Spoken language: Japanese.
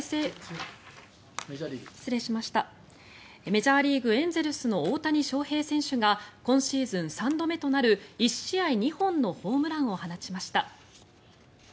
メジャーリーグエンゼルスの大谷翔平選手が今シーズン３度目となる１試合２本のホームランを放ちました。